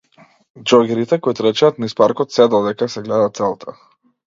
Џогерите кои трчаат низ паркот се додека се гледа целта.